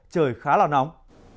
trời khá là nóng